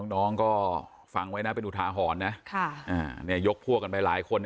น้องก็ฟังไว้นะเป็นอุทาหรณ์นะเนี่ยยกพวกกันไปหลายคน